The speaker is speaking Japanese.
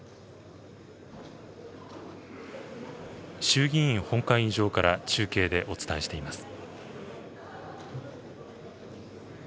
衆議院本会議場から中継でお伝えしています。